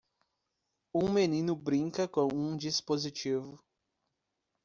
Um menino brinca com um dispositivo.